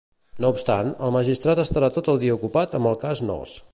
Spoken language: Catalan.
No obstant, el magistrat estarà tot el dia ocupat amb el "cas Noos".